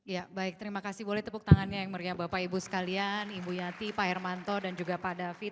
ya baik terima kasih boleh tepuk tangannya yang meriah bapak ibu sekalian ibu yati pak hermanto dan juga pak david